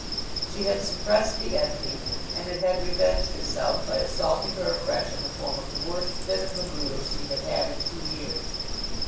She had suppressed the envy, and it had revenged itself by assaulting her afresh in the form of the worst fit of the blues she had had in two years.